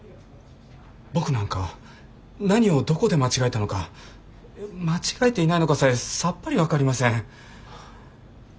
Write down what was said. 僕なんか何をどこで間違えたのか間違えていないのかさえさっぱり分かりません。